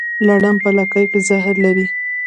لړم په لکۍ کې زهر لري